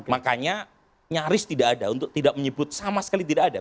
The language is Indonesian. makanya nyaris tidak ada untuk tidak menyebut sama sekali tidak ada